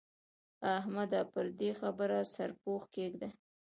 احمده! پر دې خبره سرپوښ کېږده.